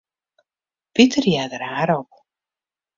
Piter hearde raar op.